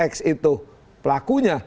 x itu pelakunya